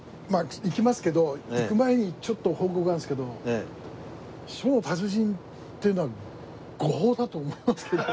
行きますけど行く前にちょっと報告があるんですけど書の達人っていうのは誤報だと思いますけど。